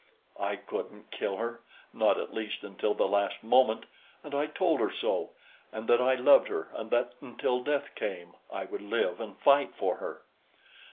I couldn't kill her not at least until the last moment; and I told her so, and that I loved her, and that until death came, I would live and fight for her.